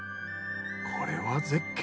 これは絶景！